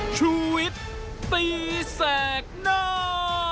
ชุวิตตีแสดหน้า